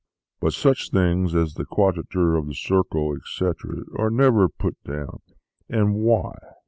But such things as the quadrature of the circle, etc., are never put down. And why